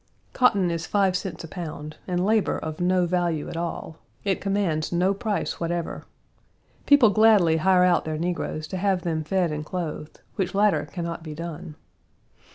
Cotton is five cents a pound and labor of no value at all; it commands no price whatever. People gladly hire out their negroes to have them fed and clothed, which latter can not be done.